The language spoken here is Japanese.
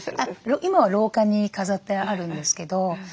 今は廊下に飾ってあるんですけど。